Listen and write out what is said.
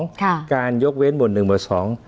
การยกเว้นหมวดหนึ่งหมวดสอง